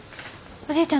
おじいちゃん？